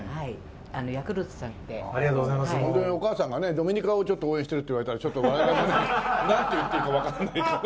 ドミニカをちょっと応援してるって言われたらちょっと我々もねなんと言っていいかわかんないから。